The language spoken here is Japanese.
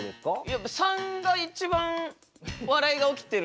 やっぱ３が一番笑いが起きてる。